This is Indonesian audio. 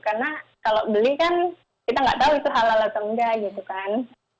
karena kalau beli kan kita nggak tahu itu halal atau enggak gitu kan